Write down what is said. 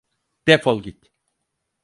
Defol git.